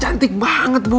cantik banget bu